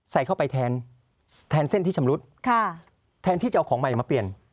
ใส่เข้าไปแทนเส้นที่ชำรุดแทนที่จะเอาของใหม่มาเปลี่ยน